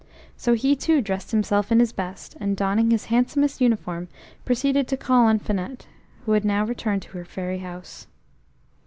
So he too dressed himself in his best, and donning his handsomest uniform proceeded to call on Finette, who had now returned to her fairy house.